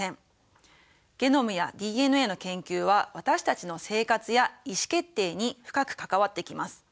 ゲノムやＤＮＡの研究は私たちの生活や意思決定に深く関わってきます。